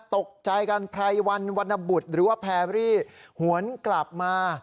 ตกใจกันไพรวันวรรณบุตรหรือว่าแพรรี่หวนกลับมา